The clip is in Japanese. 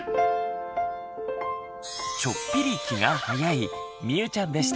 ちょっぴり気が早いみゆちゃんでした。